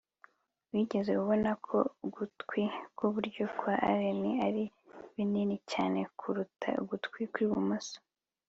wigeze ubona ko ugutwi kw'iburyo kwa alain ari binini cyane kuruta ugutwi kw'ibumoso